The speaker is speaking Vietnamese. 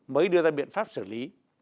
mới đưa ra biện pháp xử lý